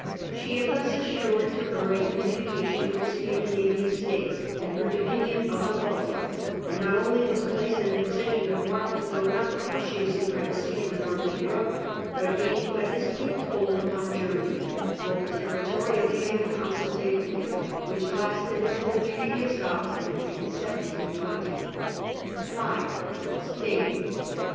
She had thus assured to her a communication with the Scandinavian States and her dominion of the Baltic ; and not only was placed in a position of marked though not crushing supremacy in the north of Europe, but gained a distinct hold upon Germany, both territorially and consultatively, which lasted until the Treaty of Stockholm in 172a 5. Spain.